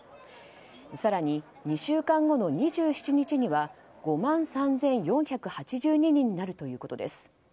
更に、２週間後の２７日には５万３４８２人になるということです。